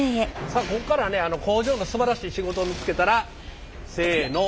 さあここからはね工場のすばらしい仕事を見つけたらせの。